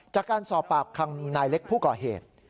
จากการสอบปากคำนายเล็กผู้ก่อเหตุ